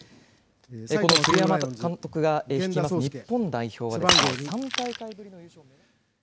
この栗山監督が率います日本代表は、３大会ぶりの優勝を。